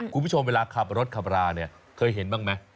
คุณผู้ชมเวลาขับรถขับราเนี่ยเคยเห็นบ้างไหม